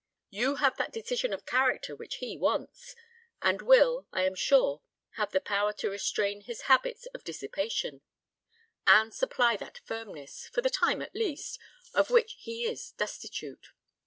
You have that decision of character which he wants; and will, I am sure, have power to restrain his habits of dissipation, and supply that firmness, for the time at least, of which he is destitute.